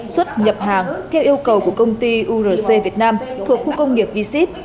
xuất nhập hàng theo yêu cầu của công ty urc việt nam thuộc khu công nghiệp v sit